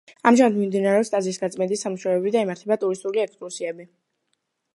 ამჟამად მიმდინარეობს ტაძრის გაწმენდის სამუშაოები და იმართება ტურისტული ექსკურსიები.